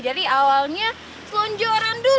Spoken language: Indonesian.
jadi awalnya penjualan dulu